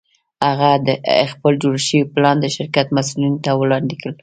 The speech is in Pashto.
هغه خپل جوړ شوی پلان د شرکت مسوولینو ته وړاندې کړ